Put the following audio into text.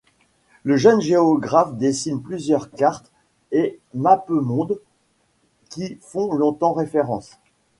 Le jeune géographe dessine plusieurs cartes et mappemondes qui font longtemps référence.